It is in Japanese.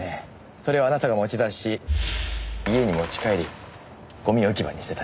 それをあなたが持ち出し家に持ち帰りゴミ置き場に捨てた。